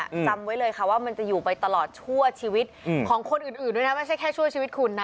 จำไว้เลยค่ะว่ามันจะอยู่ไปตลอดชั่วชีวิตของคนอื่นด้วยนะไม่ใช่แค่ชั่วชีวิตคุณนะ